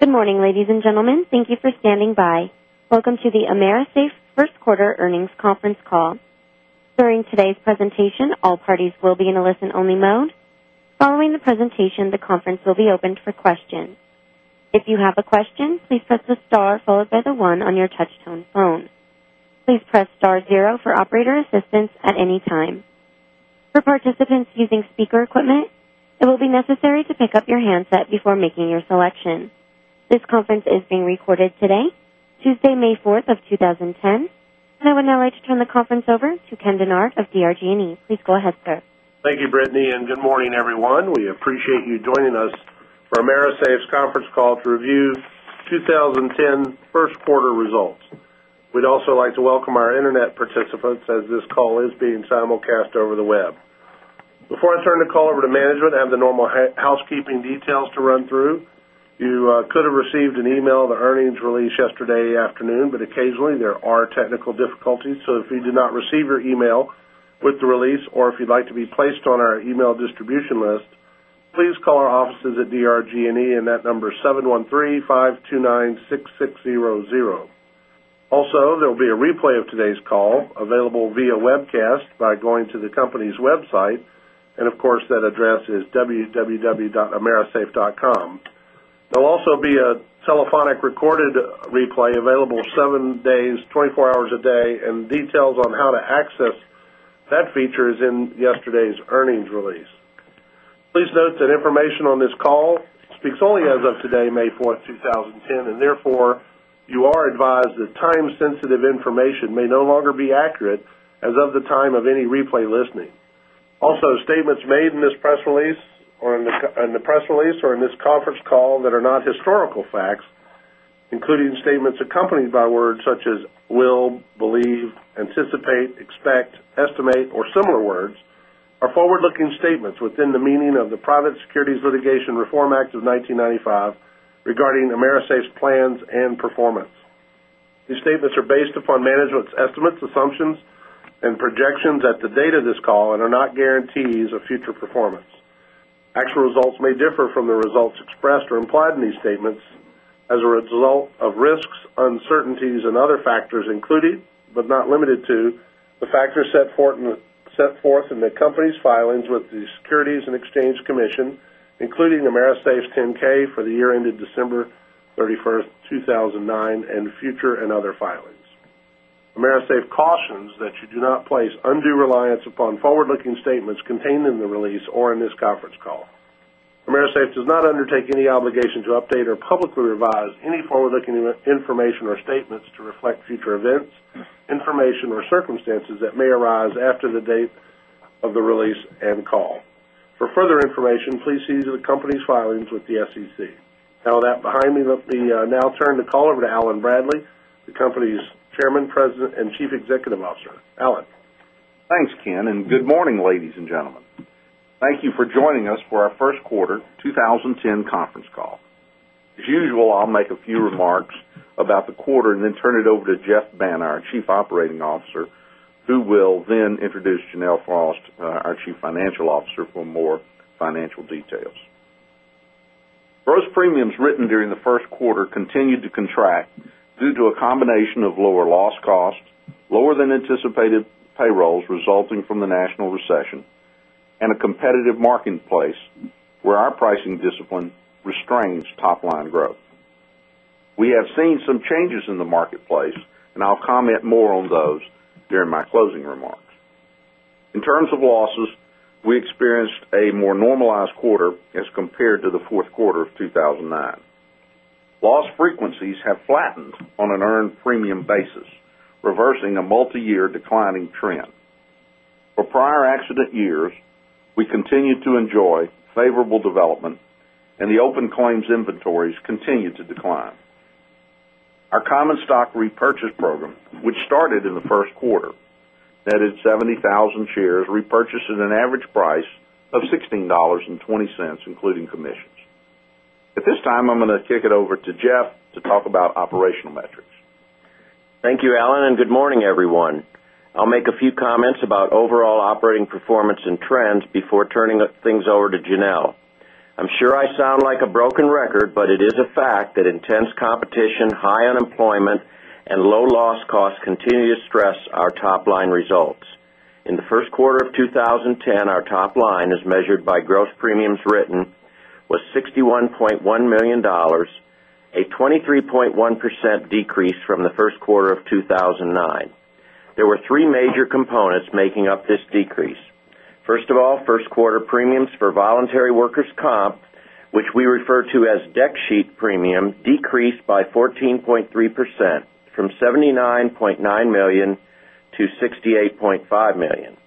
Good morning, ladies and gentlemen. Thank you for standing by. Welcome to the AMERISAFE first quarter earnings conference call. During today's presentation, all parties will be in a listen-only mode. Following the presentation, the conference will be opened for questions. If you have a question, please press the star followed by the one on your touch-tone phone. Please press star zero for operator assistance at any time. For participants using speaker equipment, it will be necessary to pick up your handset before making your selection. This conference is being recorded today, Tuesday, May 4th of 2010, and I would now like to turn the conference over to Ken Dennard of DRG&E. Please go ahead, sir. Thank you, Brittany. Good morning, everyone. We appreciate you joining us for AMERISAFE's conference call to review 2010 first quarter results. We'd also like to welcome our internet participants as this call is being simulcast over the web. Before I turn the call over to management, I have the normal housekeeping details to run through. You could have received an email of the earnings release yesterday afternoon, but occasionally, there are technical difficulties. If you did not receive your email with the release or if you'd like to be placed on our email distribution list, please call our offices at DRG&E, and that number is 713-529-6600. Also, there will be a replay of today's call available via webcast by going to the company's website. Of course, that address is www.amerisafe.com. There will also be a telephonic recorded replay available seven days, 24 hours a day. Details on how to access that feature is in yesterday's earnings release. Please note that information on this call speaks only as of today, May 4th, 2010. Therefore, you are advised that time-sensitive information may no longer be accurate as of the time of any replay listening. Also, statements made in the press release or in this conference call that are not historical facts, including statements accompanied by words such as will, believe, anticipate, expect, estimate, or similar words, are forward-looking statements within the meaning of the Private Securities Litigation Reform Act of 1995 regarding AMERISAFE's plans and performance. These statements are based upon management's estimates, assumptions, and projections at the date of this call and are not guarantees of future performance. Actual results may differ from the results expressed or implied in these statements as a result of risks, uncertainties, and other factors, including but not limited to, the factors set forth in the company's filings with the Securities and Exchange Commission, including AMERISAFE's 10-K for the year ended December 31st, 2009, and future and other filings. AMERISAFE cautions that you do not place undue reliance upon forward-looking statements contained in the release or in this conference call. AMERISAFE does not undertake any obligation to update or publicly revise any forward-looking information or statements to reflect future events, information, or circumstances that may arise after the date of the release and call. For further information, please see the company's filings with the SEC. Now with that behind me, let me now turn the call over to Allen Bradley, the company's Chairman, President, and Chief Executive Officer. Allen. Thanks, Ken, and good morning, ladies and gentlemen. Thank you for joining us for our first quarter 2010 conference call. As usual, I'll make a few remarks about the quarter and then turn it over to Geoff Banta, our Chief Operating Officer, who will then introduce Janelle Frost, our Chief Financial Officer, for more financial details. Gross premiums written during the first quarter continued to contract due to a combination of lower loss costs, lower than anticipated payrolls resulting from the national recession, and a competitive marketplace where our pricing discipline restrains top-line growth. We have seen some changes in the marketplace. I'll comment more on those during my closing remarks. In terms of losses, we experienced a more normalized quarter as compared to the fourth quarter of 2009. Loss frequencies have flattened on an earned premium basis, reversing a multi-year declining trend. For prior accident years, we continued to enjoy favorable development. The open claims inventories continued to decline. Our common stock repurchase program, which started in the first quarter, netted 70,000 shares repurchased at an average price of $16.20, including commissions. At this time, I'm going to kick it over to Geoff to talk about operational metrics. Thank you, Allen, and good morning, everyone. I'll make a few comments about overall operating performance and trends before turning things over to Janelle. I'm sure I sound like a broken record, but it is a fact that intense competition, high unemployment, and low loss costs continue to stress our top-line results. In the first quarter of 2010, our top line, as measured by gross premiums written, was $61.1 million, a 23.1% decrease from the first quarter of 2009. There were three major components making up this decrease. First of all, first quarter premiums for voluntary workers' comp, which we refer to as deck sheet premium, decreased by 14.3%, from $79.9 million to $68.5 million.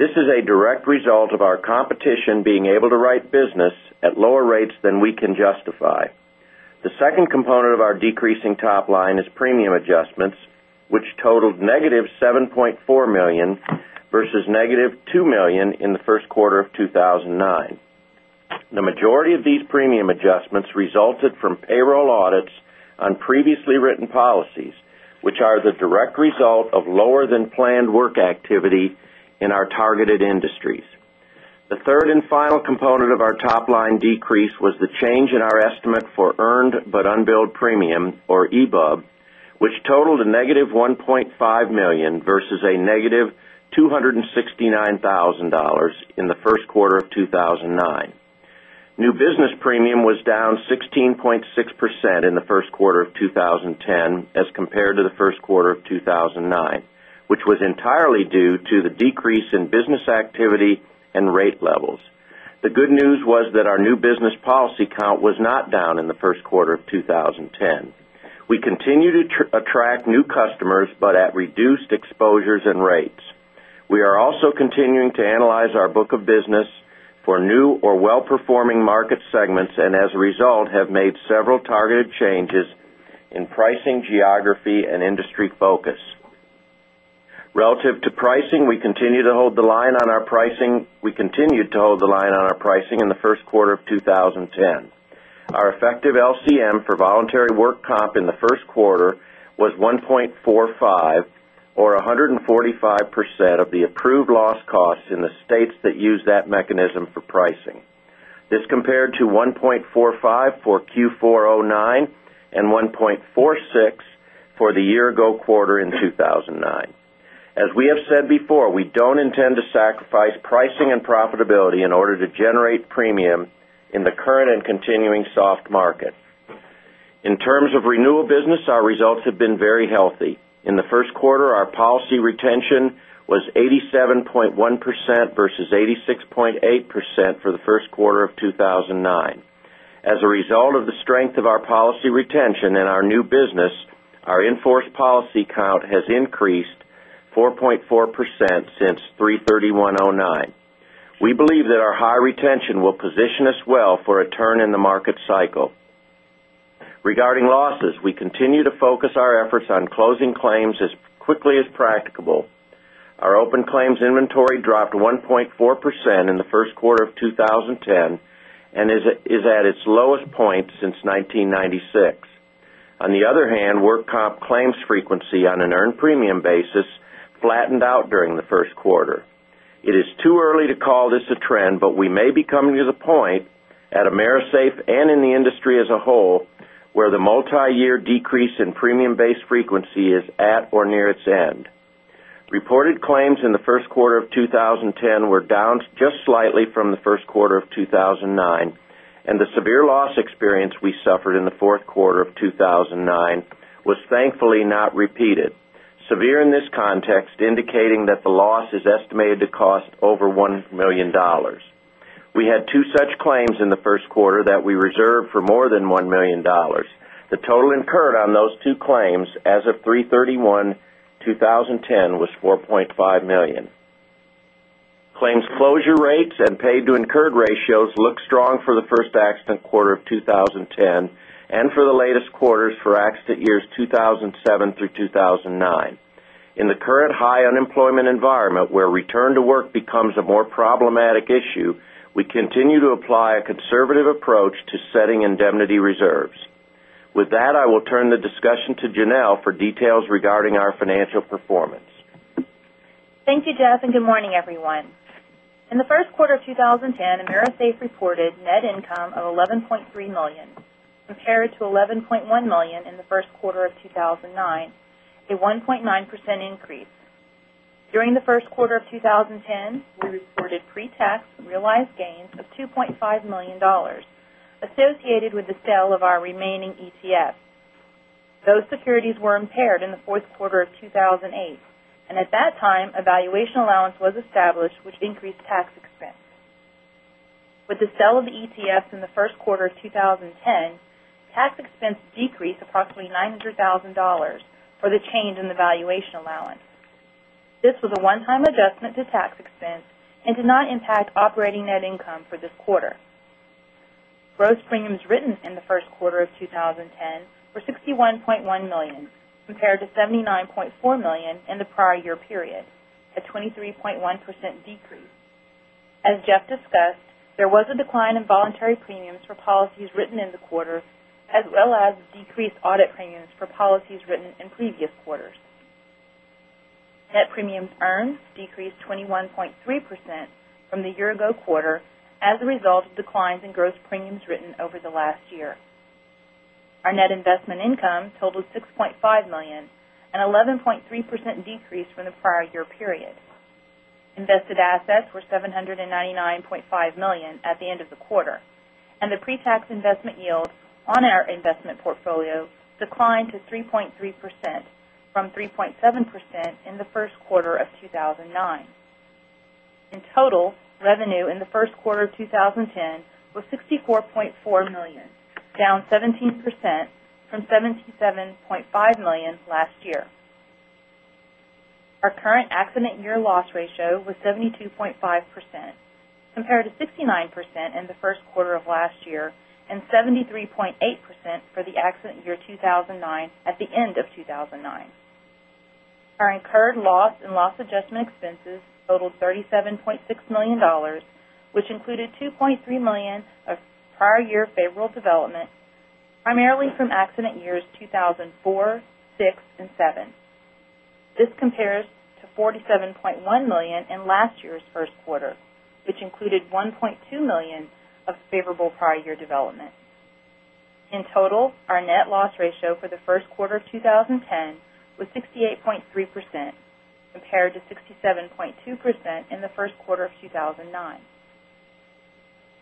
This is a direct result of our competition being able to write business at lower rates than we can justify. The second component of our decreasing top line is premium adjustments, which totaled negative $7.4 million versus negative $2 million in the first quarter of 2009. The majority of these premium adjustments resulted from payroll audits on previously written policies, which are the direct result of lower than planned work activity in our targeted industries. The third and final component of our top-line decrease was the change in our estimate for earned but unbilled premium, or EBUB, which totaled a negative $1.5 million versus a negative $269,000 in the first quarter of 2009. New business premium was down 16.6% in the first quarter of 2010 as compared to the first quarter of 2009, which was entirely due to the decrease in business activity and rate levels. The good news was that our new business policy count was not down in the first quarter of 2010. We continue to attract new customers, but at reduced exposures and rates. We are also continuing to analyze our book of business for new or well-performing market segments, and as a result, have made several targeted changes in pricing, geography, and industry focus. Relative to pricing, we continued to hold the line on our pricing in the first quarter of 2010. Our effective LCM for voluntary work comp in the first quarter was 1.45 or 145% of the approved loss costs in the states that use that mechanism for pricing. This compared to 1.45 for Q4 2009 and 1.46 for the year ago quarter in 2009. As we have said before, we don't intend to sacrifice pricing and profitability in order to generate premium in the current and continuing soft market. In terms of renewal business, our results have been very healthy. In the first quarter, our policy retention was 87.1% versus 86.8% for the first quarter of 2009. As a result of the strength of our policy retention in our new business, our in-force policy count has increased 4.4% since 3/31/2009. We believe that our high retention will position us well for a turn in the market cycle. Regarding losses, we continue to focus our efforts on closing claims as quickly as practicable. Our open claims inventory dropped 1.4% in the first quarter of 2010 and is at its lowest point since 1996. On the other hand, work comp claims frequency on an earned premium basis flattened out during the first quarter. It is too early to call this a trend, but we may be coming to the point at AMERISAFE and in the industry as a whole, where the multi-year decrease in premium-based frequency is at or near its end. Reported claims in the first quarter of 2010 were down just slightly from the first quarter of 2009, and the severe loss experience we suffered in the fourth quarter of 2009 was thankfully not repeated. Severe in this context, indicating that the loss is estimated to cost over $1 million. We had two such claims in the first quarter that we reserved for more than $1 million. The total incurred on those two claims as of 3/31/2010 was $4.5 million. Claims closure rates and paid to incurred ratios look strong for the first accident quarter of 2010 and for the latest quarters for accident years 2007 through 2009. In the current high unemployment environment where return to work becomes a more problematic issue, we continue to apply a conservative approach to setting indemnity reserves. With that, I will turn the discussion to Janelle for details regarding our financial performance. Thank you, Geoff, and good morning, everyone. In the first quarter of 2010, AMERISAFE reported net income of $11.3 million compared to $11.1 million in the first quarter of 2009, a 1.9% increase. During the first quarter of 2010, we reported pretax realized gains of $2.5 million associated with the sale of our remaining ETF. Those securities were impaired in the fourth quarter of 2008, and at that time, a valuation allowance was established which increased tax expense. With the sale of the ETF in the first quarter of 2010, tax expense decreased approximately $900,000 for the change in the valuation allowance. This was a one-time adjustment to tax expense and did not impact operating net income for this quarter. Gross premiums written in the first quarter of 2010 were $61.1 million, compared to $79.4 million in the prior year period, a 23.1% decrease. As Geoff discussed, there was a decline in voluntary premiums for policies written in the quarter, as well as decreased audit premiums for policies written in previous quarters. Net premiums earned decreased 21.3% from the year ago quarter as a result of declines in gross premiums written over the last year. Our net investment income totaled $6.5 million, an 11.3% decrease from the prior year period. Invested assets were $799.5 million at the end of the quarter, and the pretax investment yield on our investment portfolio declined to 3.3% from 3.7% in the first quarter of 2009. In total, revenue in the first quarter of 2010 was $64.4 million, down 17% from $77.5 million last year. Our current accident year loss ratio was 72.5%, compared to 69% in the first quarter of last year and 73.8% for the accident year 2009 at the end of 2009. Our incurred loss and loss adjustment expenses totaled $37.6 million, which included $2.3 million of prior year favorable development, primarily from accident years 2004, 2006, and 2007. This compares to $47.1 million in last year's first quarter, which included $1.2 million of favorable prior year development. In total, our net loss ratio for the first quarter of 2010 was 68.3%, compared to 67.2% in the first quarter of 2009.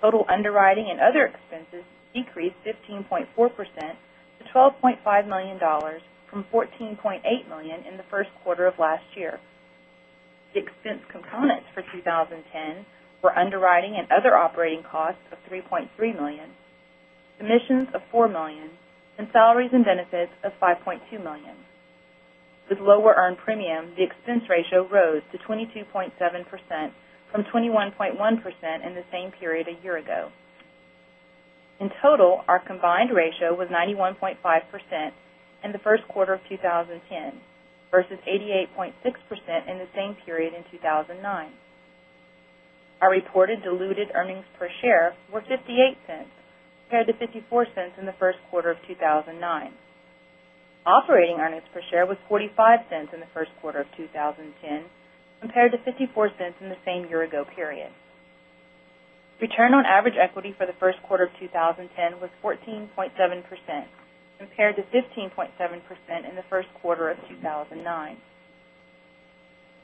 Total underwriting and other expenses decreased 15.4% to $12.5 million from $14.8 million in the first quarter of last year. The expense components for 2010 were underwriting and other operating costs of $3.3 million, commissions of $4 million, and salaries and benefits of $5.2 million. With lower earned premium, the expense ratio rose to 22.7% from 21.1% in the same period a year ago. In total, our combined ratio was 91.5% in the first quarter of 2010 versus 88.6% in the same period in 2009. Our reported diluted earnings per share were $0.58 compared to $0.54 in the first quarter of 2009. Operating earnings per share was $0.45 in the first quarter of 2010 compared to $0.54 in the same year ago period. Return on average equity for the first quarter of 2010 was 14.7% compared to 15.7% in the first quarter of 2009.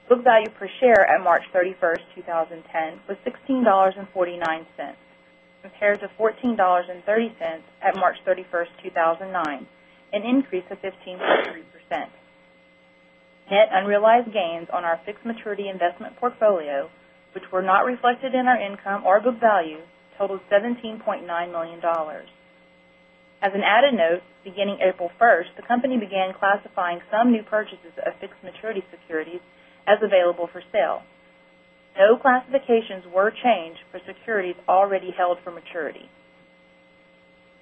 Book value per share at March 31st, 2010, was $16.49 compared to $14.30 at March 31st, 2009, an increase of 15.3%. Net unrealized gains on our fixed maturity investment portfolio, which were not reflected in our income or book value, totaled $17.9 million. As an added note, beginning April 1st, the company began classifying some new purchases of fixed maturity securities as available for sale. No classifications were changed for securities already held for maturity.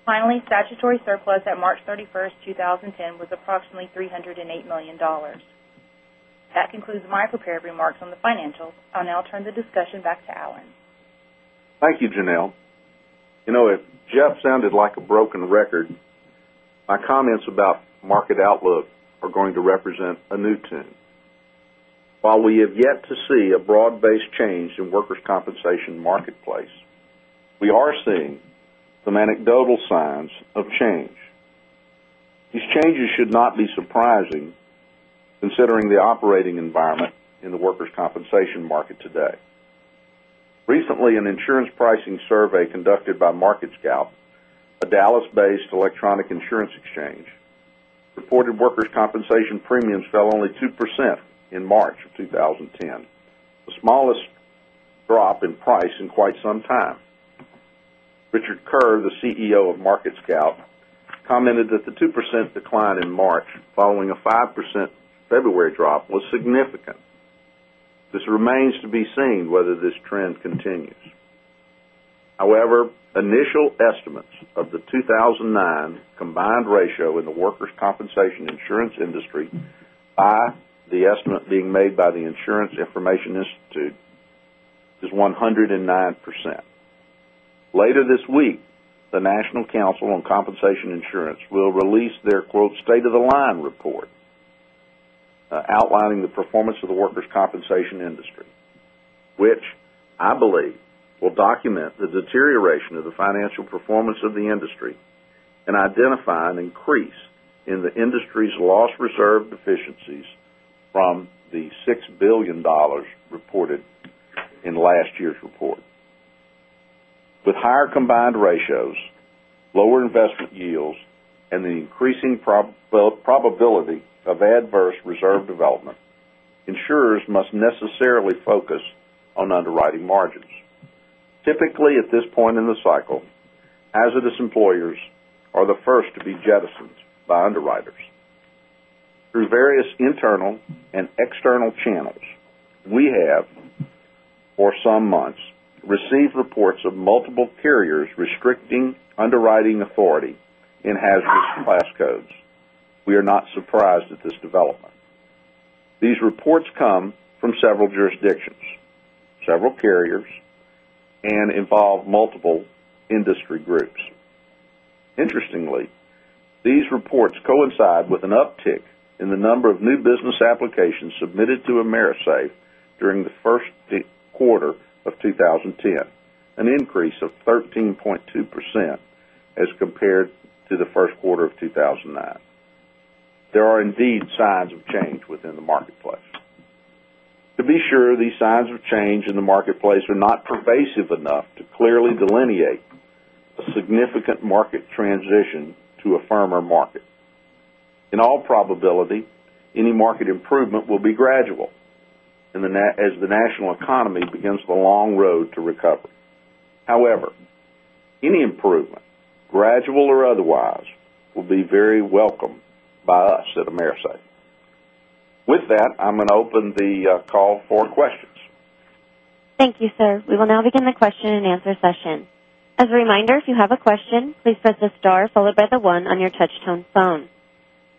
Finally, statutory surplus at March 31st, 2010, was approximately $308 million. That concludes my prepared remarks on the financials. I'll now turn the discussion back to Allen. Thank you, Janelle. If Geoff sounded like a broken record, my comments about market outlook are going to represent a new tune. While we have yet to see a broad-based change in workers' compensation marketplace, we are seeing some anecdotal signs of change. These changes should not be surprising considering the operating environment in the workers' compensation market today. Recently, an insurance pricing survey conducted by MarketScout, a Dallas-based electronic insurance exchange, reported workers' compensation premiums fell only 2% in March of 2010, the smallest drop in price in quite some time. Richard Kerr, the CEO of MarketScout, commented that the 2% decline in March following a 5% February drop was significant. This remains to be seen whether this trend continues. Initial estimates of the 2009 combined ratio in the workers' compensation insurance industry, i.e., the estimate being made by the Insurance Information Institute, is 109%. Later this week, the National Council on Compensation Insurance will release their "State of the Line Report," outlining the performance of the workers' compensation industry, which I believe will document the deterioration of the financial performance of the industry and identify an increase in the industry's loss reserve deficiencies from the $6 billion reported in last year's report. With higher combined ratios, lower investment yields, and the increasing probability of adverse reserve development, insurers must necessarily focus on underwriting margins. Typically, at this point in the cycle, hazardous employers are the first to be jettisoned by underwriters. Through various internal and external channels, we have, for some months, received reports of multiple carriers restricting underwriting authority in hazardous class codes. We are not surprised at this development. These reports come from several jurisdictions, several carriers, and involve multiple industry groups. Interestingly, these reports coincide with an uptick in the number of new business applications submitted through AMERISAFE during the first quarter of 2010, an increase of 13.2% as compared to the first quarter of 2009. There are indeed signs of change within the marketplace. To be sure these signs of change in the marketplace are not pervasive enough to clearly delineate a significant market transition to a firmer market. In all probability, any market improvement will be gradual as the national economy begins the long road to recovery. Any improvement, gradual or otherwise, will be very welcome by us at AMERISAFE. With that, I'm going to open the call for questions. Thank you, sir. We will now begin the question and answer session. As a reminder, if you have a question, please press the star followed by the one on your touch tone phone.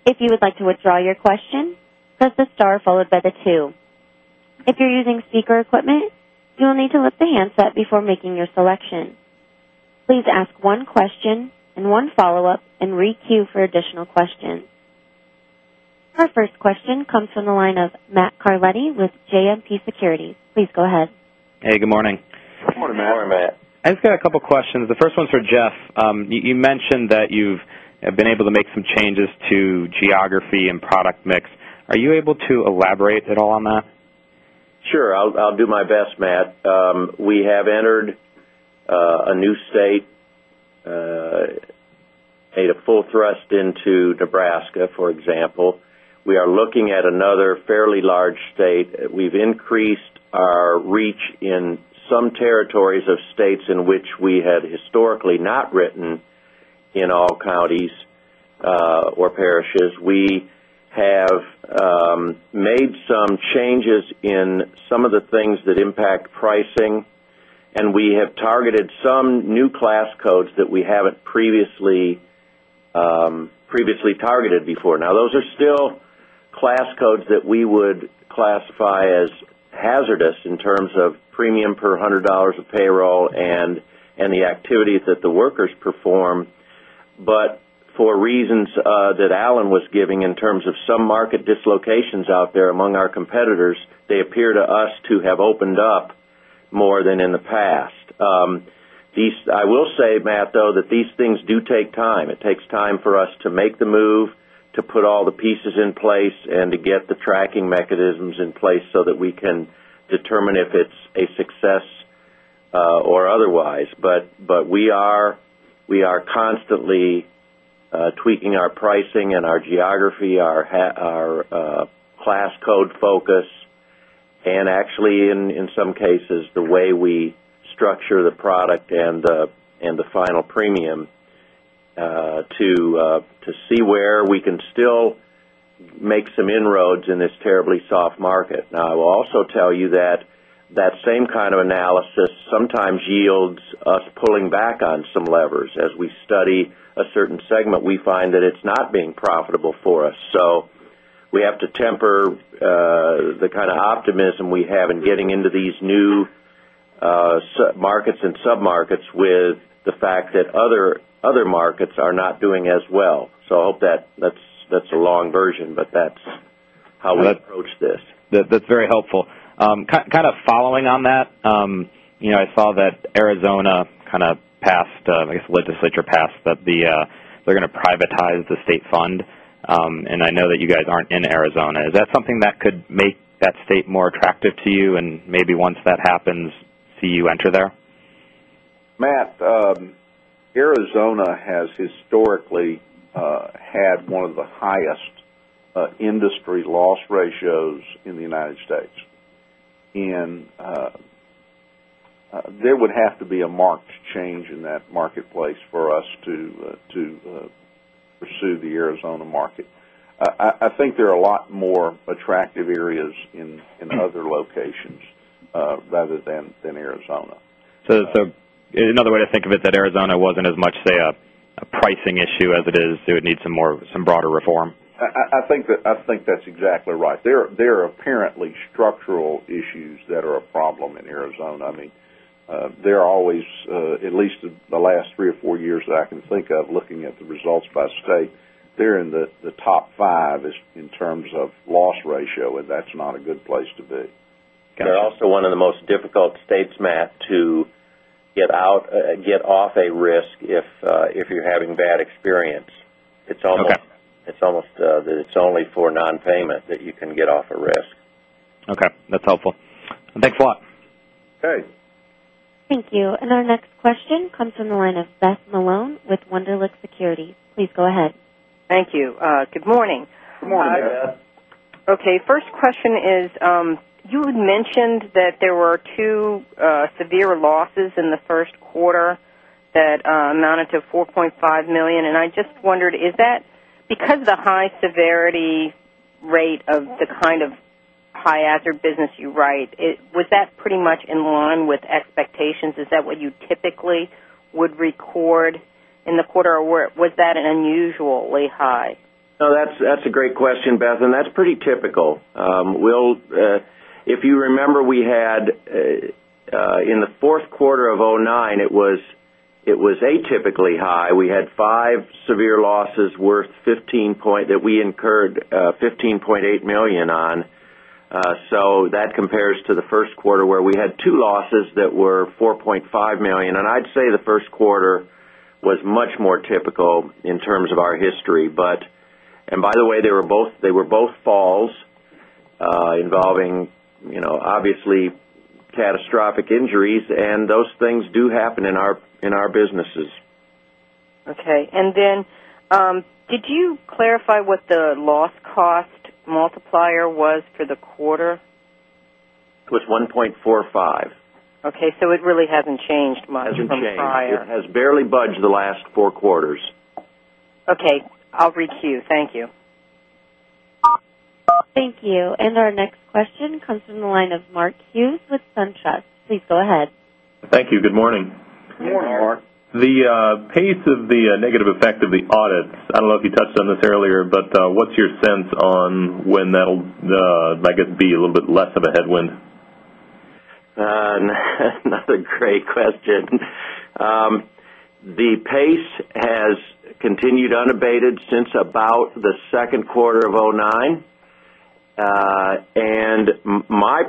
If you would like to withdraw your question, press the star followed by the two. If you're using speaker equipment, you will need to lift the handset before making your selection. Please ask one question and one follow-up, and re-queue for additional questions. Our first question comes from the line of Matthew Carletti with JMP Securities. Please go ahead. Hey, good morning. Good morning, Matt. Good morning, Matt. I just got a couple questions. The first one's for Geoff. You mentioned that you've been able to make some changes to geography and product mix. Are you able to elaborate at all on that? Sure. I'll do my best, Matt. We have entered a new state, made a full thrust into Nebraska, for example. We are looking at another fairly large state. We've increased our reach in some territories of states in which we had historically not written in all counties or parishes. We have made some changes in some of the things that impact pricing. We have targeted some new class codes that we haven't previously targeted before. Those are still class codes that we would classify as hazardous in terms of premium per $100 of payroll and the activities that the workers perform. For reasons that Allen was giving in terms of some market dislocations out there among our competitors, they appear to us to have opened up more than in the past. I will say, Matt, though, that these things do take time. It takes time for us to make the move, to put all the pieces in place, and to get the tracking mechanisms in place so that we can determine if it's a success or otherwise. We are constantly tweaking our pricing and our geography, our class code focus, and actually, in some cases, the way we structure the product and the final premium to see where we can still make some inroads in this terribly soft market. I will also tell you that that same kind of analysis sometimes yields us pulling back on some levers. As we study a certain segment, we find that it's not being profitable for us. We have to temper the kind of optimism we have in getting into these new markets and sub-markets with the fact that other markets are not doing as well. I hope that's a long version. That's how we approach this. That's very helpful. Kind of following on that, I saw that Arizona legislature passed that they're going to privatize the state fund. I know that you guys aren't in Arizona. Is that something that could make that state more attractive to you, and maybe once that happens, see you enter there? Matt, Arizona has historically had one of the highest industry loss ratios in the U.S. There would have to be a marked change in that marketplace for us to pursue the Arizona market. I think there are a lot more attractive areas in other locations rather than Arizona. Another way to think of it that Arizona wasn't as much, say, a pricing issue as it is, do it need some broader reform? I think that's exactly right. There are apparently structural issues that are a problem in Arizona. They're always at least the last three or four years that I can think of looking at the results by state. They're in the top five in terms of loss ratio, that's not a good place to be. They're also one of the most difficult states, Matt, to get off a risk if you're having bad experience. Okay. It's almost that it's only for non-payment that you can get off a risk. Okay. That's helpful. Thanks a lot. Okay. Thank you. Our next question comes from the line of Beth Malone with Wunderlich Securities. Please go ahead. Thank you. Good morning. Good morning, Beth. Hi, Beth. Okay. First question is, you had mentioned that there were two severe losses in the first quarter that amounted to $4.5 million. I just wondered, because of the high severity rate of the kind of high hazard business you write, was that pretty much in line with expectations? Is that what you typically would record in the quarter, or was that unusually high? No, that's a great question, Beth, and that's pretty typical. If you remember, we had in the fourth quarter of 2009, it was atypically high. We had five severe losses that we incurred $15.8 million on. That compares to the first quarter where we had two losses that were $4.5 million. I'd say the first quarter was much more typical in terms of our history. By the way, they were both falls involving obviously catastrophic injuries, and those things do happen in our businesses. Okay. Did you clarify what the loss cost multiplier was for the quarter? It was 1.45. Okay. It really hasn't changed much from prior. Hasn't changed. It has barely budged the last four quarters. Okay. I'll re-queue. Thank you. Thank you. Our next question comes from the line of Mark Hughes with SunTrust. Please go ahead. Thank you. Good morning. Good morning, Mark. Good morning. The pace of the negative effect of the audits, I don't know if you touched on this earlier, but what's your sense on when that'll, I guess, be a little bit less of a headwind? Another great question. The pace has continued unabated since about the second quarter of 2009. My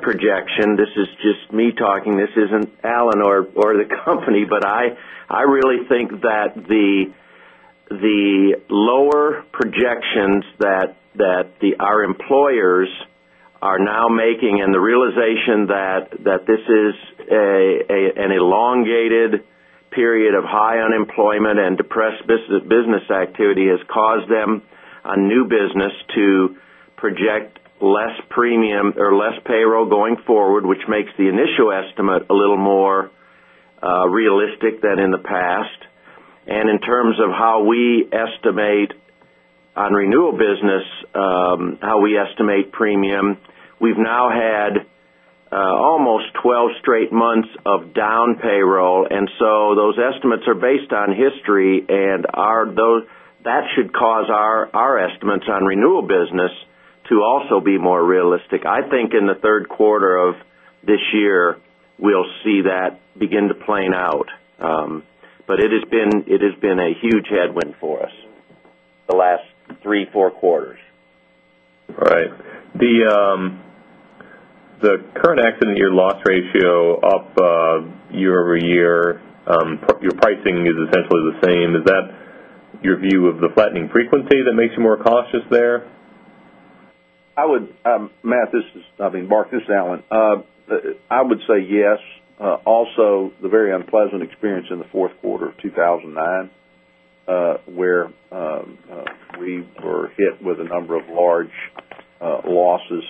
projection, this is just me talking, this isn't Allen or the company, but I really think that the lower projections that our employers are now making, and the realization that this is an elongated period of high unemployment and depressed business activity has caused them, on new business, to project less payroll going forward, which makes the initial estimate a little more realistic than in the past. In terms of how we estimate on renewal business, how we estimate premium, we've now had almost 12 straight months of down payroll, those estimates are based on history, and that should cause our estimates on renewal business to also be more realistic. I think in the third quarter of this year, we'll see that begin to plane out. It has been a huge headwind for us the last three, four quarters. Right. The current accident year loss ratio up year-over-year, your pricing is essentially the same. Is that your view of the flattening frequency that makes you more cautious there? Mark, this is Allen. I would say yes. Also, the very unpleasant experience in the fourth quarter of 2009, where we were hit with a number of large losses.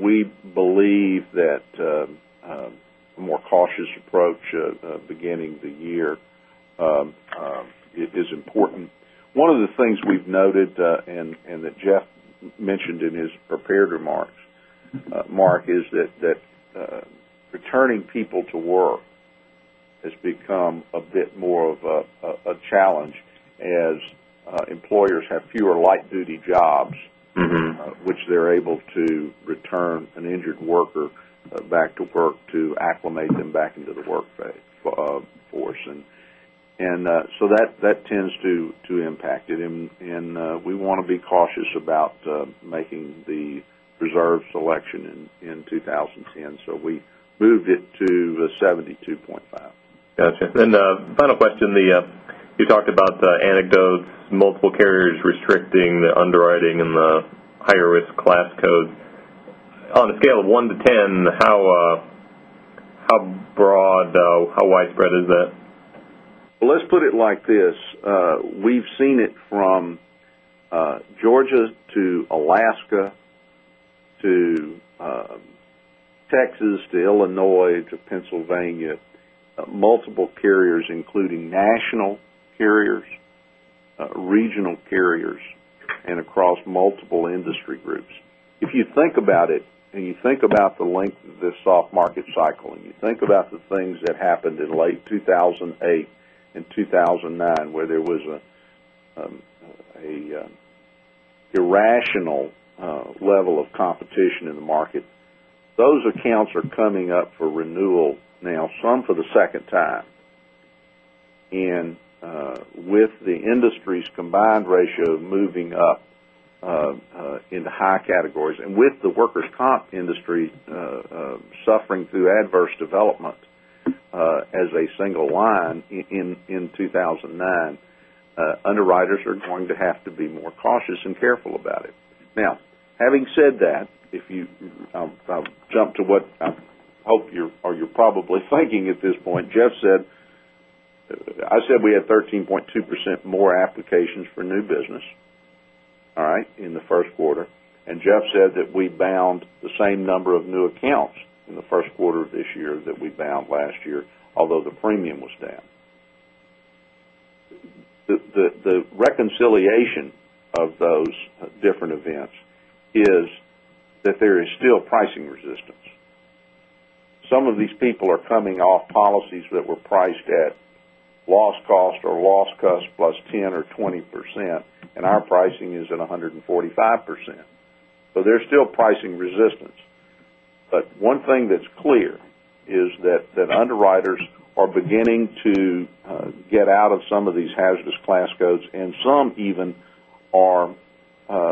We believe that a more cautious approach at the beginning of the year is important. One of the things we've noted, and that Geoff mentioned in his prepared remarks, Mark, is that returning people to work has become a bit more of a challenge as employers have fewer light duty jobs- which they're able to return an injured worker back to work to acclimate them back into the workforce. That tends to impact it. We want to be cautious about making the reserve selection in 2010. We moved it to 72.5. Got you. Final question. You talked about the anecdotes, multiple carriers restricting the underwriting in the higher risk class codes. On a scale of one to 10, how broad, how widespread is that? Well, let's put it like this. We've seen it from Georgia to Alaska, to Texas to Illinois to Pennsylvania. Multiple carriers, including national carriers, regional carriers, and across multiple industry groups. If you think about it, and you think about the length of this soft market cycle, and you think about the things that happened in late 2008 and 2009, where there was an irrational level of competition in the market. Those accounts are coming up for renewal now, some for the second time. With the industry's combined ratio moving up into high categories, and with the workers' comp industry suffering through adverse development as a single line in 2009, underwriters are going to have to be more cautious and careful about it. Having said that, I'll jump to what I hope you're probably thinking at this point. I said we had 13.2% more applications for new business, all right, in the first quarter. Geoff said that we bound the same number of new accounts in the first quarter of this year that we bound last year, although the premium was down. The reconciliation of those different events is that there is still pricing resistance. Some of these people are coming off policies that were priced at loss cost or loss cost plus 10% or 20%, and our pricing is at 145%. There's still pricing resistance. One thing that's clear is that underwriters are beginning to get out of some of these hazardous class codes, and some even are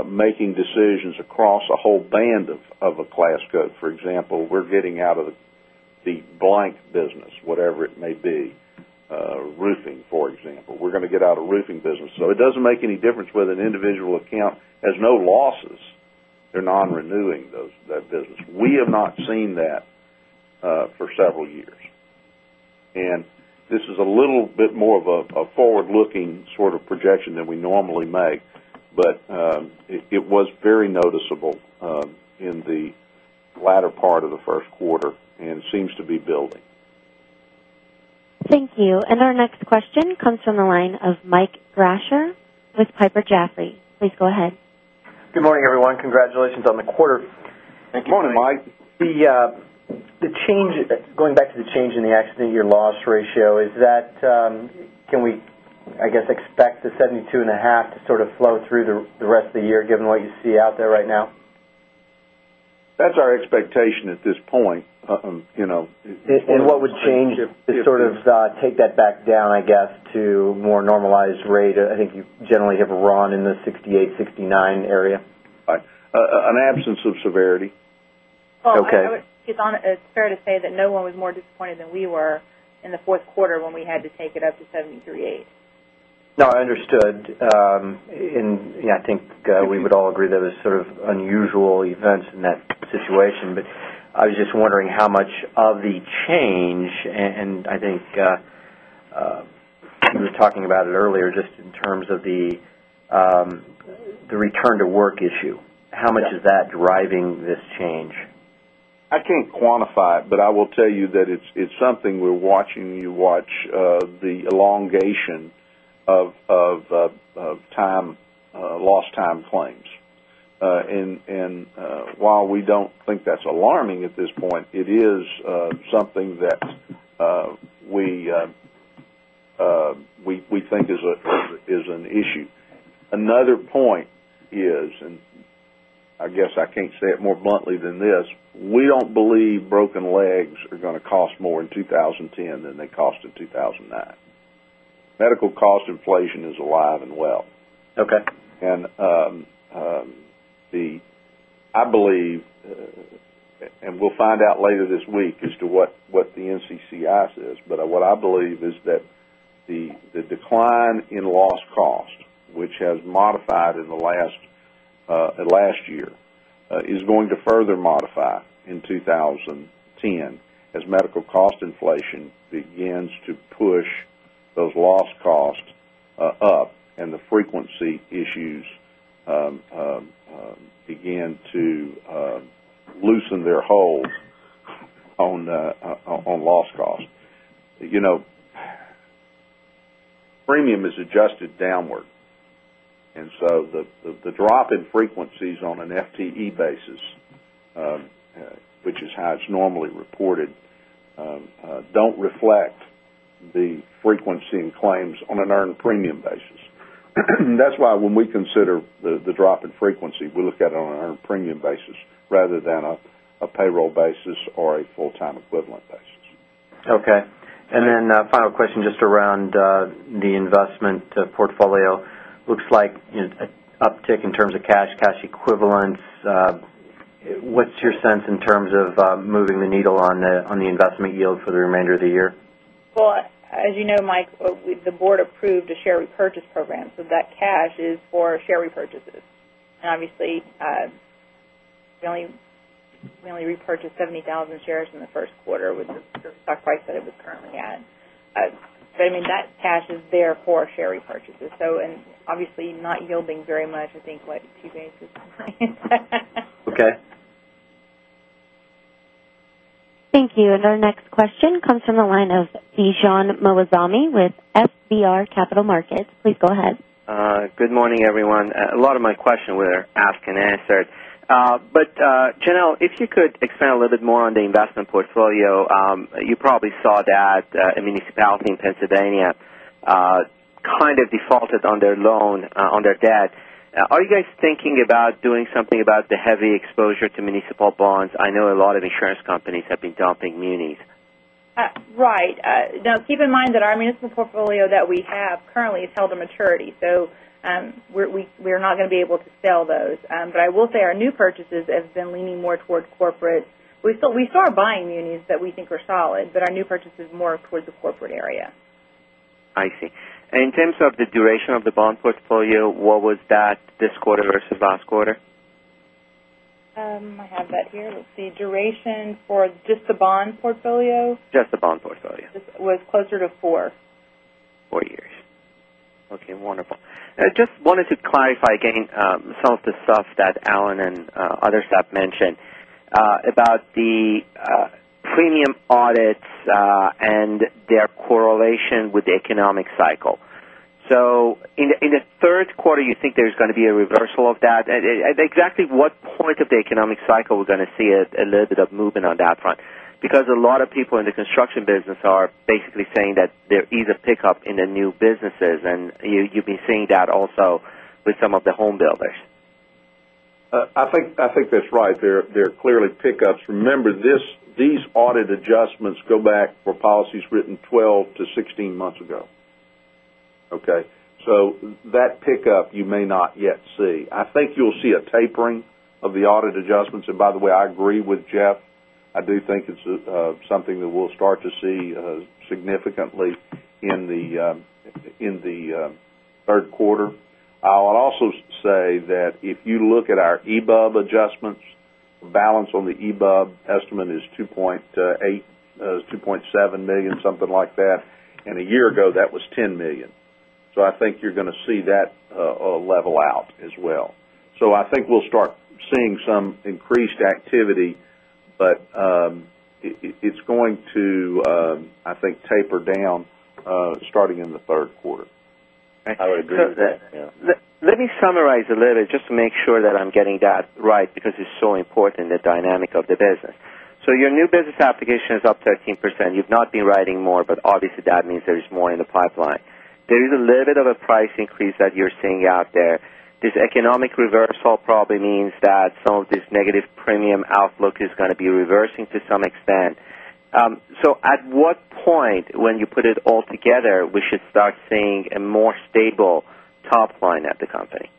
making decisions across a whole band of a class code. For example, we're getting out of the blank business, whatever it may be. Roofing, for example. We're going to get out of roofing business. It doesn't make any difference whether an individual account has no losses. They're not renewing that business. We have not seen that for several years. This is a little bit more of a forward-looking sort of projection than we normally make. It was very noticeable in the latter part of the first quarter, and it seems to be building. Thank you. Our next question comes from the line of Michael Thrasher with Piper Jaffray. Please go ahead. Good morning, everyone. Congratulations on the quarter. Thank you, Mike. Going back to the change in the accident year loss ratio, can we expect the 72.5% to flow through the rest of the year given what you see out there right now? That's our expectation at this point. What would change to take that back down to a more normalized rate? I think you generally have run in the 68, 69 area. Right. An absence of severity. Okay. It's fair to say that no one was more disappointed than we were in the fourth quarter when we had to take it up to 73.8. No, understood. I think we would all agree that it was unusual events in that situation. I was just wondering how much of the change, and I think you were talking about it earlier, just in terms of the return-to-work issue. How much is that driving this change? I can't quantify it, but I will tell you that it's something we're watching. You watch the elongation of lost time claims. While we don't think that's alarming at this point, it is something that we think is an issue. Another point is, I guess I can't say it more bluntly than this, we don't believe broken legs are going to cost more in 2010 than they cost in 2009. Medical cost inflation is alive and well. Okay. We'll find out later this week as to what the NCCI says. What I believe is that the decline in loss cost, which has modified in the last year, is going to further modify in 2010 as medical cost inflation begins to push those loss costs up and the frequency issues begin to loosen their hold on loss costs. Premium is adjusted downward, the drop in frequencies on an FTE basis, which is how it's normally reported, don't reflect the frequency in claims on an earned premium basis. That's why when we consider the drop in frequency, we look at it on an earned premium basis rather than a payroll basis or a full-time equivalent basis. Okay. A final question just around the investment portfolio. Looks like an uptick in terms of cash equivalents. What's your sense in terms of moving the needle on the investment yield for the remainder of the year? As you know, Mike, the board approved a share repurchase program, that cash is for share repurchases. Obviously, we only repurchased 70,000 shares in the first quarter with the stock price that it was currently at. That cash is there for share repurchases. Obviously not yielding very much, I think, what, two basis points? Okay. Thank you. Our next question comes from the line of Bijan Moazami with FBR Capital Markets. Please go ahead. Good morning, everyone. A lot of my questions were asked and answered. Janelle, if you could expand a little bit more on the investment portfolio. You probably saw that a municipality in Pennsylvania defaulted on their loan, on their debt. Are you guys thinking about doing something about the heavy exposure to municipal bonds? I know a lot of insurance companies have been dumping munis. Right. Now, keep in mind that our municipal portfolio that we have currently is held to maturity, we're not going to be able to sell those. I will say our new purchases have been leaning more towards corporate. We still are buying munis that we think are solid, our new purchases more towards the corporate area. I see. In terms of the duration of the bond portfolio, what was that this quarter versus last quarter? I have that here. Let's see. Duration for just the bond portfolio? Just the bond portfolio. It was closer to four. Four years. Okay, wonderful. I just wanted to clarify again some of the stuff that Allen and other staff mentioned about the premium audits and their correlation with the economic cycle. In the third quarter, you think there's going to be a reversal of that? At exactly what point of the economic cycle are we going to see a little bit of movement on that front? Because a lot of people in the construction business are basically saying that there is a pickup in the new businesses, and you've been seeing that also with some of the home builders. I think that's right. There are clearly pickups. Remember, these audit adjustments go back for policies written 12 to 16 months ago. Okay? That pickup you may not yet see. I think you'll see a tapering of the audit adjustments. By the way, I agree with Geoff. I do think it's something that we'll start to see significantly in the third quarter. I'll also say that if you look at our EBUB adjustments, the balance on the EBUB estimate is $2.8 million, $2.7 million, something like that. A year ago, that was $10 million. I think you're going to see that level out as well. I think we'll start seeing some increased activity, but it's going to, I think, taper down starting in the third quarter. I would agree with that, yeah. Let me summarize a little just to make sure that I'm getting that right, because it's so important, the dynamic of the business. Your new business application is up 13%. You've not been writing more, but obviously that means there is more in the pipeline. There is a little bit of a price increase that you're seeing out there. This economic reversal probably means that some of this negative premium outlook is going to be reversing to some extent. At what point, when you put it all together, we should start seeing a more stable top line at the company?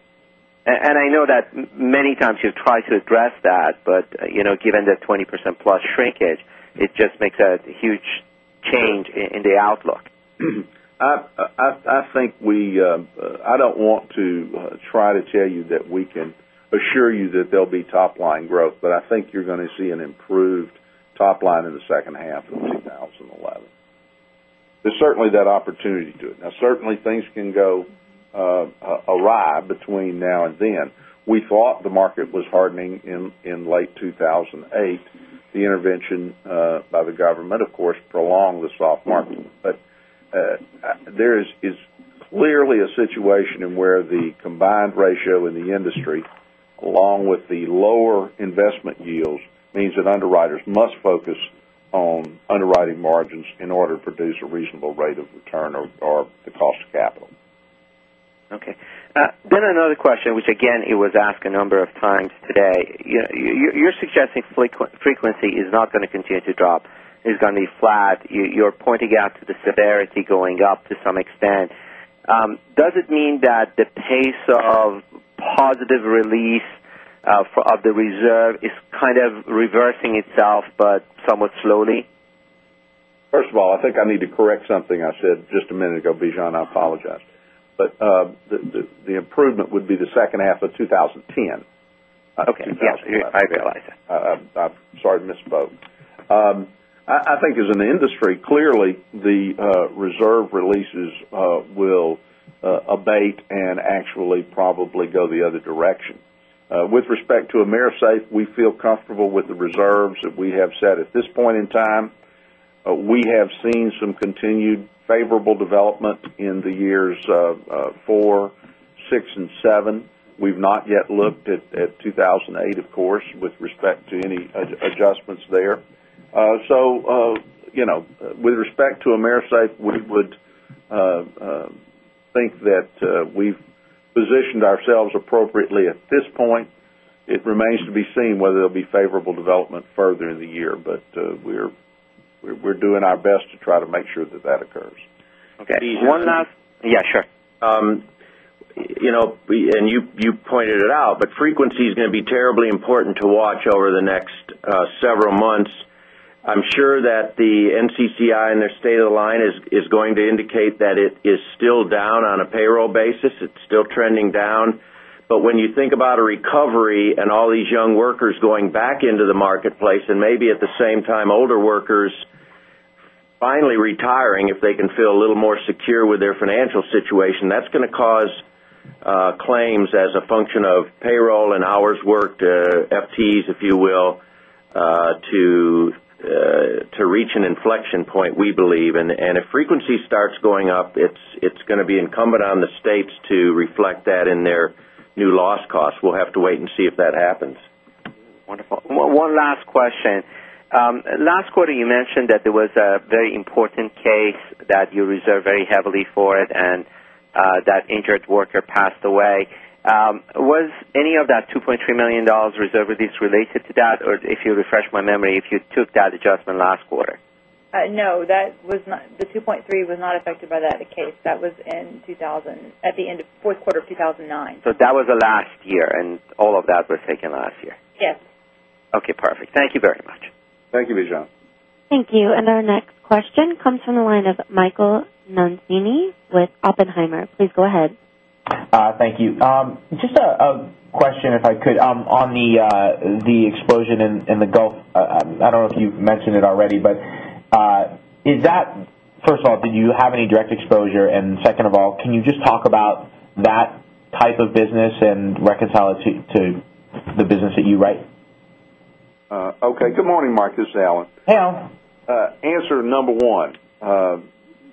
I know that many times you've tried to address that, but given the 20% plus shrinkage, it just makes a huge change in the outlook. I don't want to try to tell you that we can assure you that there'll be top line growth, but I think you're going to see an improved top line in the second half of 2011. There's certainly that opportunity to it. Certainly things can go awry between now and then. We thought the market was hardening in late 2008. The intervention by the government, of course, prolonged the soft market. There is clearly a situation in where the combined ratio in the industry, along with the lower investment yields, means that underwriters must focus on underwriting margins in order to produce a reasonable rate of return or the cost of capital. Okay. Another question, which, again, it was asked a number of times today. You're suggesting frequency is not going to continue to drop, is going to be flat. You're pointing out to the severity going up to some extent. Does it mean that the pace of positive release of the reserve is kind of reversing itself, but somewhat slowly? First of all, I think I need to correct something I said just a minute ago, Bijan. I apologize. The improvement would be the second half of 2010. Okay. Yes, I realize that. I'm sorry to misspoken. I think as in the industry, clearly the reserve releases will abate and actually probably go the other direction. With respect to AMERISAFE, we feel comfortable with the reserves that we have set at this point in time. We have seen some continued favorable development in the years four, six, and seven. We've not yet looked at 2008, of course, with respect to any adjustments there. With respect to AMERISAFE, we would think that we've positioned ourselves appropriately at this point. It remains to be seen whether there'll be favorable development further in the year. We're doing our best to try to make sure that that occurs. Okay. One last. Bijan? Yeah, sure. You pointed it out, but frequency is going to be terribly important to watch over the next several months. I'm sure that the NCCI and their State of the Line is going to indicate that it is still down on a payroll basis. It's still trending down. When you think about a recovery and all these young workers going back into the marketplace, and maybe at the same time, older workers finally retiring, if they can feel a little more secure with their financial situation, that's going to cause claims as a function of payroll and hours worked, FTEs, if you will, to reach an inflection point, we believe. If frequency starts going up, it's going to be incumbent on the states to reflect that in their new loss costs. We'll have to wait and see if that happens. Wonderful. One last question. Last quarter you mentioned that there was a very important case that you reserved very heavily for it and that injured worker passed away. Was any of that $2.3 million reserve release related to that? Or if you refresh my memory, if you took that adjustment last quarter? No, the 2.3 was not affected by that case. That was at the end of fourth quarter 2009. That was the last year, and all of that was taken last year? Yes. Okay, perfect. Thank you very much. Thank you, Bijan. Thank you. Our next question comes from the line of Michael Mancini with Oppenheimer. Please go ahead. Thank you. Just a question, if I could, on the explosion in the Gulf. I don't know if you've mentioned it already. First of all, did you have any direct exposure? Second of all, can you just talk about that type of business and reconcile it to the business that you write? Okay. Good morning, Mike, this is Allen. Hey, Allen. Answer number one,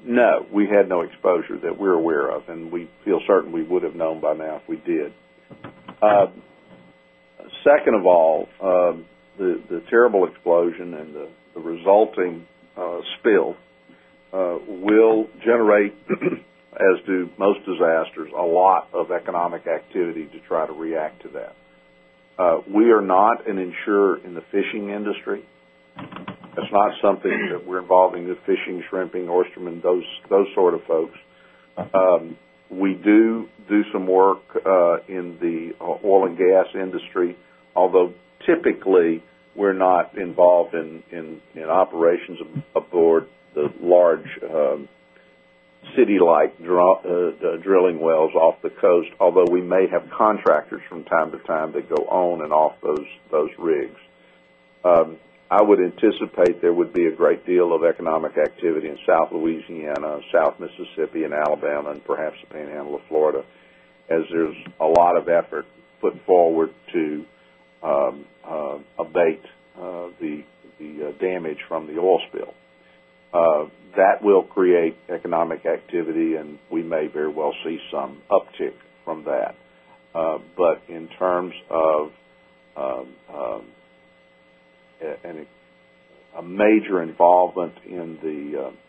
no. We had no exposure that we're aware of, and we feel certain we would have known by now if we did. Second of all, the terrible explosion and the resulting spill will generate, as do most disasters, a lot of economic activity to try to react to that. We are not an insurer in the fishing industry. That's not something that we're involved in, the fishing, shrimping, oystermen, those sort of folks. We do do some work in the oil and gas industry, although typically we're not involved in operations aboard the large city-like drilling wells off the coast, although we may have contractors from time to time that go on and off those rigs. I would anticipate there would be a great deal of economic activity in South Louisiana, South Mississippi, and Alabama, and perhaps the Panhandle of Florida, as there's a lot of effort put forward to abate the damage from the oil spill. That will create economic activity, and we may very well see some uptick from that. In terms of a major involvement in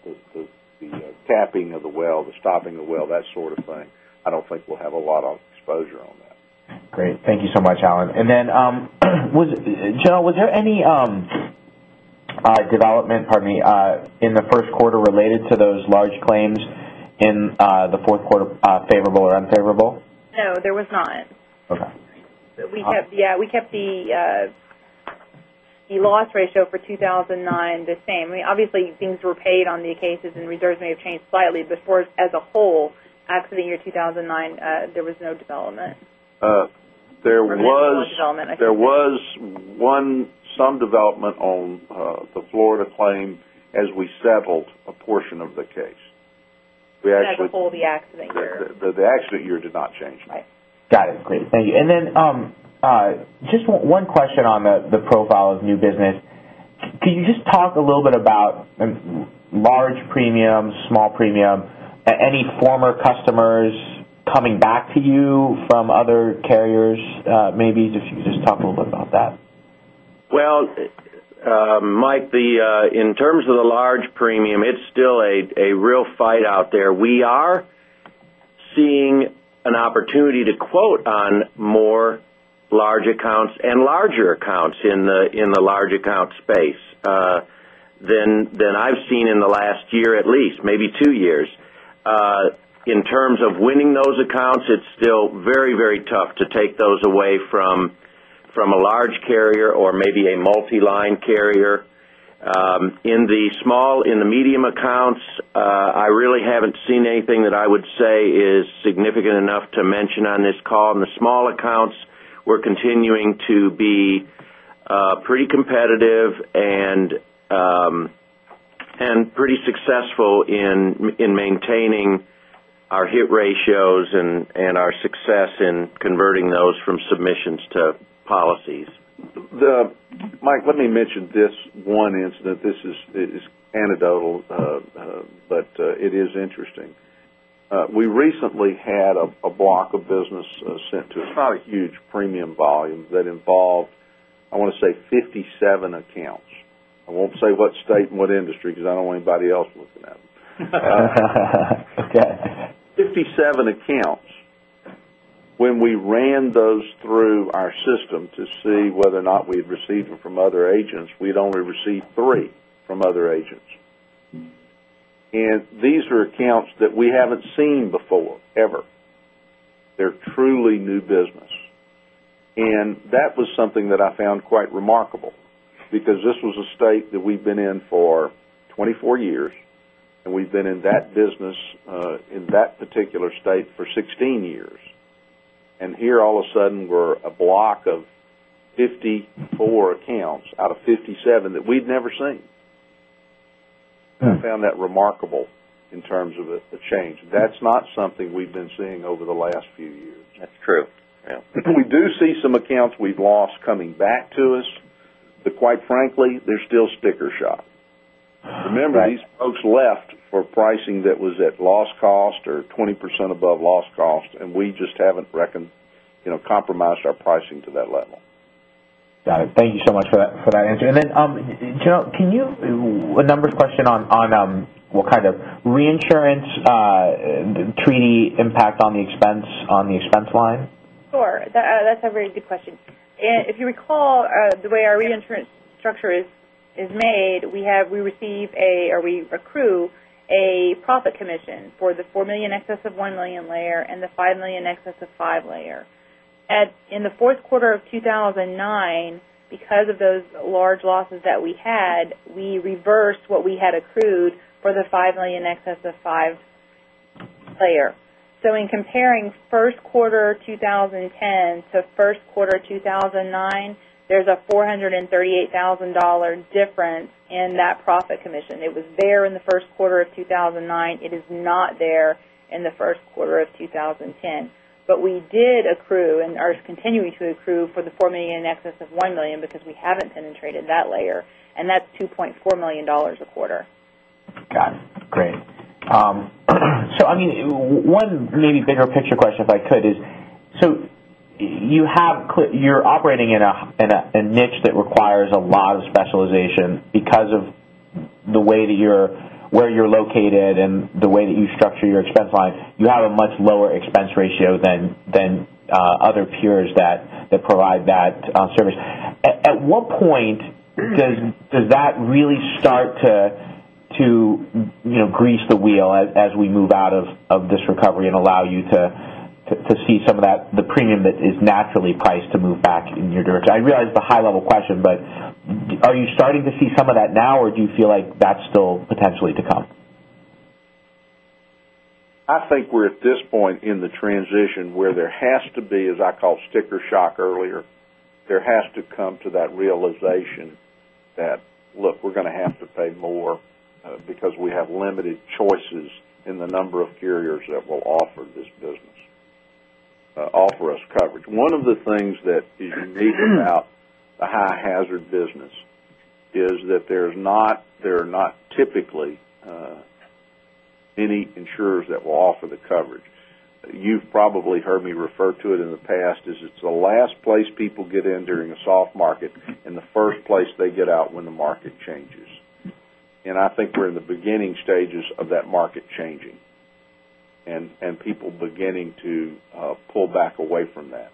the capping of the well, the stopping of the well, that sort of thing, I don't think we'll have a lot of exposure on that. Great. Thank you so much, Allen. Then, Janelle, was there any development, pardon me, in the first quarter related to those large claims in the fourth quarter, favorable or unfavorable? No, there was not. Okay. We kept the loss ratio for 2009 the same. Obviously, things were paid on the cases, and reserves may have changed slightly. For as a whole, accident year 2009, there was no development. There was- No development, I think. There was some development on the Florida claim as we settled a portion of the case. That's for the accident year. The accident year did not change. Right. Got it. Great. Thank you. Just one question on the profile of new business. Can you just talk a little bit about large premium, small premium, any former customers coming back to you from other carriers, maybe if you could just talk a little bit about that. Well, Mike, in terms of the large premium, it's still a real fight out there. We are seeing an opportunity to quote on more large accounts and larger accounts in the large account space than I've seen in the last year, at least. Maybe two years. In terms of winning those accounts, it's still very tough to take those away from a large carrier or maybe a multi-line carrier. In the medium accounts, I really haven't seen anything that I would say is significant enough to mention on this call. In the small accounts, we're continuing to be pretty competitive and pretty successful in maintaining our hit ratios and our success in converting those from submissions to policies. Mike, let me mention this one incident. This is anecdotal, but it is interesting. We recently had a block of business sent to us, not a huge premium volume, that involved, I want to say, 57 accounts. I won't say what state and what industry, because I don't want anybody else looking at them. Okay. 57 accounts. When we ran those through our system to see whether or not we'd received them from other agents, we'd only received three from other agents. These were accounts that we haven't seen before, ever. They're truly new business. That was something that I found quite remarkable, because this was a state that we've been in for 24 years, and we've been in that business in that particular state for 16 years. Here, all of a sudden, were a block of 54 accounts out of 57 that we'd never seen. I found that remarkable in terms of the change. That's not something we've been seeing over the last few years. That's true. Yeah. We do see some accounts we've lost coming back to us, but quite frankly, they're still sticker shock. Right. Remember, these folks left for pricing that was at loss cost or 20% above loss cost, we just haven't compromised our pricing to that level. Got it. Thank you so much for that answer. Then, Joan, a numbers question on what kind of reinsurance treaty impact on the expense line. Sure. That's a very good question. If you recall, the way our reinsurance structure is made, we accrue a profit commission for the $4 million excess of $1 million layer and the $5 million excess of $5 million layer. In the fourth quarter of 2009, because of those large losses that we had, we reversed what we had accrued for the $5 million excess of $5 million layer. In comparing Q1 2010 to Q1 2009, there's a $438,000 difference in that profit commission. It was there in the first quarter of 2009. It is not there in the first quarter of 2010. We did accrue and are continuing to accrue for the $4 million excess of $1 million because we haven't penetrated that layer, and that's $2.4 million a quarter. Got it. Great. One maybe bigger picture question, if I could is, so you're operating in a niche that requires a lot of specialization because of where you're located and the way that you structure your expense line. You have a much lower expense ratio than other peers that provide that service. At what point does that really start to grease the wheel as we move out of this recovery and allow you to see some of the premium that is naturally priced to move back in your direction? I realize it's a high-level question, but are you starting to see some of that now, or do you feel like that's still potentially to come? I think we're at this point in the transition where there has to be, as I called sticker shock earlier, there has to come to that realization that, look, we're going to have to pay more because we have limited choices in the number of carriers that will offer this business, offer us coverage. One of the things that is unique about the high hazard business is that there are not typically any insurers that will offer the coverage. You've probably heard me refer to it in the past as it's the last place people get in during a soft market and the first place they get out when the market changes. I think we're in the beginning stages of that market changing and people beginning to pull back away from that.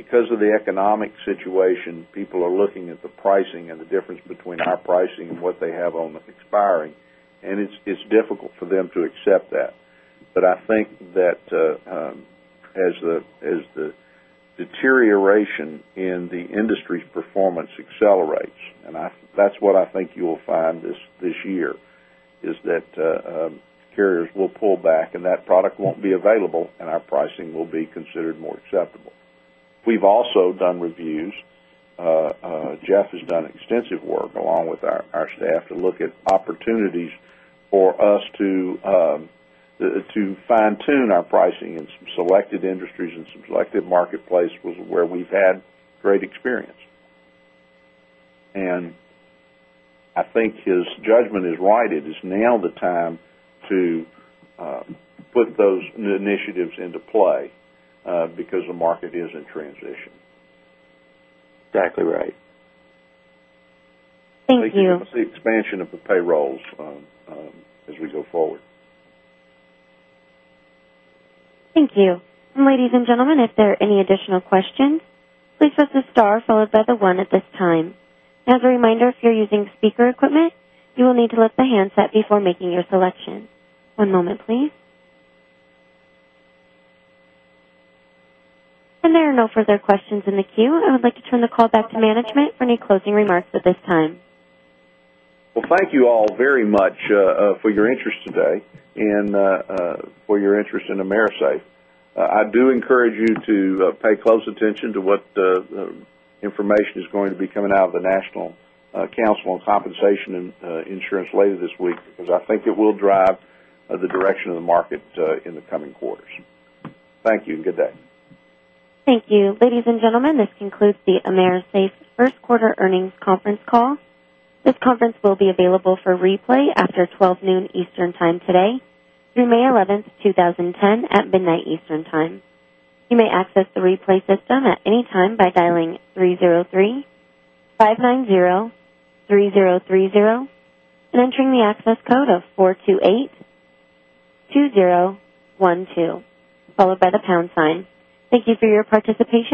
Because of the economic situation, people are looking at the pricing and the difference between our pricing and what they have on the expiring, and it's difficult for them to accept that. I think that as the deterioration in the industry's performance accelerates, and that's what I think you will find this year, is that carriers will pull back, and that product won't be available, and our pricing will be considered more acceptable. We've also done reviews. Geoff has done extensive work, along with our staff, to look at opportunities for us to fine-tune our pricing in some selected industries and some selected marketplaces where we've had great experience. I think his judgment is right. It is now the time to put those new initiatives into play because the market is in transition. Exactly right. Thank you. The expansion of the payrolls as we go forward. Thank you. Ladies and gentlemen, if there are any additional questions, please press the star followed by the one at this time. As a reminder, if you're using speaker equipment, you will need to lift the handset before making your selection. One moment, please. There are no further questions in the queue. I would like to turn the call back to management for any closing remarks at this time. Well, thank you all very much for your interest today and for your interest in AMERISAFE. I do encourage you to pay close attention to what information is going to be coming out of the National Council on Compensation Insurance later this week because I think it will drive the direction of the market in the coming quarters. Thank you and good day. Thank you. Ladies and gentlemen, this concludes the AMERISAFE first quarter earnings conference call. This conference will be available for replay after 12 noon Eastern time today through May 11th, 2010, at midnight Eastern time. You may access the replay system at any time by dialing 303-590-3030 and entering the access code of 4282012, followed by the pound sign. Thank you for your participation